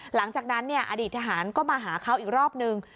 หลังจากนั้นอดีตทหารก็มาหาเขาอีกรอบนึง